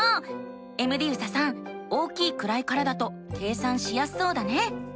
エムディユサさん大きい位からだと計算しやすそうだね。